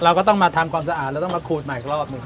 เราก็ต้องมาทำความสะอาดเราต้องมาขูดใหม่อีกรอบหนึ่ง